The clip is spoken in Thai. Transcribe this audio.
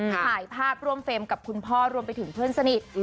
ถ่ายภาพร่วมเฟรมกับคุณพ่อรวมไปถึงเพื่อนสนิท